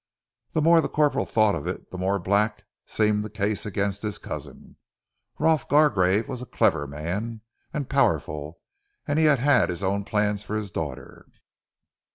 The more the corporal thought of it, the more black seemed the case against his cousin. Rolf Gargrave was a clever man, and powerful, and he had had his own plans for his daughter.